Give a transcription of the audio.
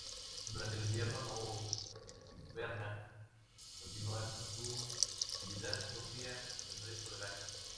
Durante el invierno no hibernan, continúan con su actividad propia del resto del año.